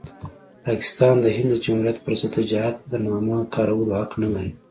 پاکستان د هند د جمهوریت پرضد د جهاد د نامه کارولو حق نلري.